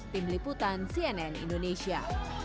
tim liputan cnn indonesia